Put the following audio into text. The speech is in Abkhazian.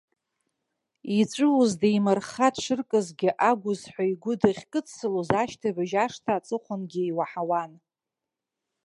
Иҵәуаз деимырхха дшыркызгьы агәызҳәа игәы дахькыдсылоз ашьҭыбжь ашҭа аҵыхәангьы иуаҳауан.